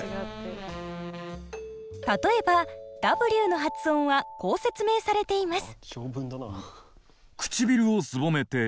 例えばＷの発音はこう説明されています。